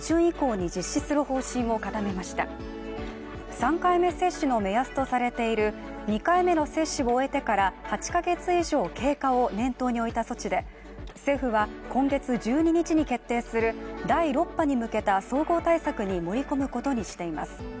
３回目接種の目安とされている２回目の接種を終えてから８ヶ月以上経過を念頭に置いた措置で、政府は今月１２日に決定する第６波に向けた総合対策に盛り込むことにしています。